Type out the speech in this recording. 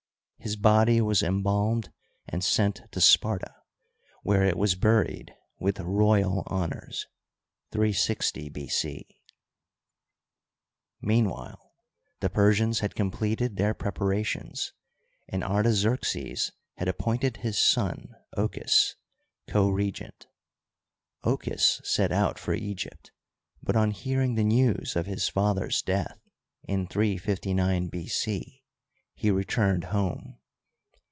His body was embalmed and sent to Sparta, where it was buried with royal honors (360 B. C). Meanwhile the Persians had completed their prepa rations, and Artaxerxes had appointed his son, Ockus, co regent. Ochus set out for Egypt, but, on hearing the news of his father's death, in 359 B. C, he returned home.